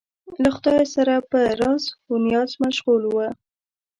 له خدایه سره به په راز و نیاز مشغول و.